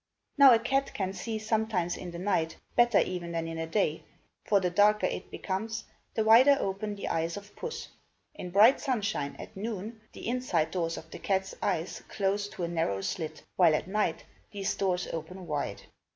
Now a cat can see sometimes in the night, better even than in the day, for the darker it becomes, the wider open the eyes of puss. In bright sunshine, at noon, the inside doors of the cat's eyes close to a narrow slit, while at night these doors open wide.